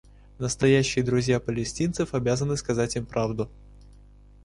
Настоящие друзья палестинцев обязаны сказать им правду.